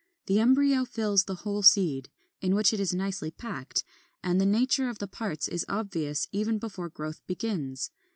The embryo fills the whole seed, in which it is nicely packed; and the nature of the parts is obvious even before growth begins.